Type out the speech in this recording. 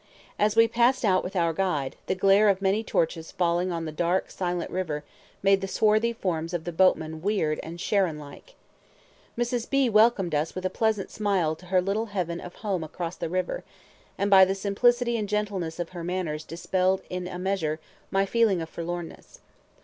As we passed out with our guide, the glare of many torches falling on the dark silent river made the swarthy forms of the boatmen weird and Charon like. Mrs. B welcomed us with a pleasant smile to her little heaven of home across the river, and by the simplicity and gentleness of her manners dispelled in a measure my feeling of forlornness.